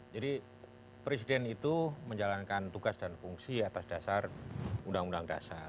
jadi presiden itu menjalankan tugas dan fungsi atas dasar undang undang dasar